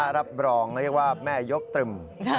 รับรองเรียกว่าแม่ยกตรึม